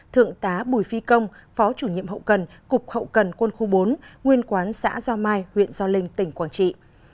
ba thượng tá bùi phi công phó chủ nhiệm hậu cần cục hậu cần quân khu bốn nguyên quán xã giao mai huyện giao linh tỉnh quảng trị